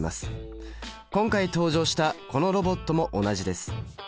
今回登場したこのロボットも同じです。